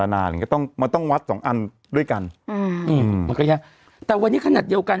นานก็ต้องมันต้องวัดสองอันด้วยกันอืมอืมมันก็ยากแต่วันนี้ขนาดเดียวกัน